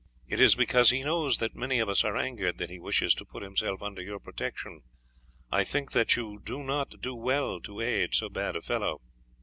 It is because he knows that many of us are angered that he wishes to put himself under your protection. I think that you do not do well to aid so bad a fellow."